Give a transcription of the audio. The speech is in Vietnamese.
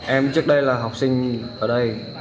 em trước đây là học sinh ở đây